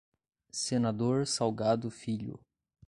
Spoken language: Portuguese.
Senador Salgado Filho